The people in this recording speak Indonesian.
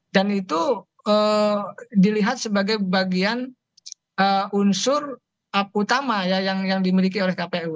dan itu dilihat sebagai bagian unsur utama yang dimiliki oleh kpu